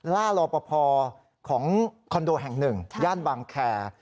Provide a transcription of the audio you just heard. ล่ารอปภของคอนโดแห่งหนึ่งย่านบางแคร์